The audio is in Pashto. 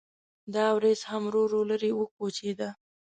دا وریځ هم ورو ورو لرې وکوچېده.